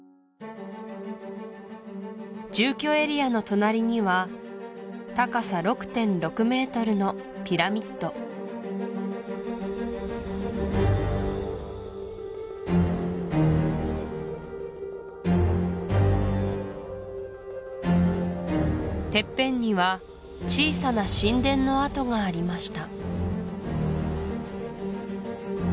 住居エリアの隣には高さ６．６メートルのピラミッドてっぺんには小さな神殿の跡がありました